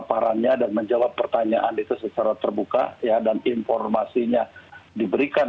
jenderal andika perkasa